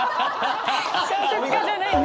小説家じゃないんだ。